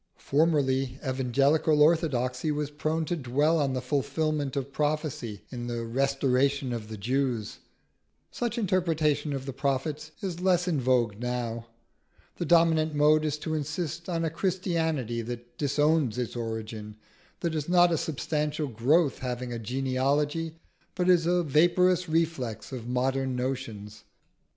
Formerly, evangelical orthodoxy was prone to dwell on the fulfilment of prophecy in the "restoration of the Jews." Such interpretation of the prophets is less in vogue now. The dominant mode is to insist on a Christianity that disowns its origin, that is not a substantial growth having a genealogy, but is a vaporous reflex of modern notions.